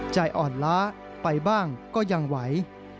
ใจอ่อนล้าไปบ้างก็ยังไหว